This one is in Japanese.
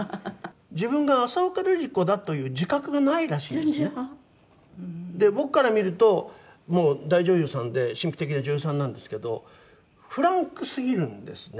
で僕から見るともう大女優さんで神秘的な女優さんなんですけどフランクすぎるんですね。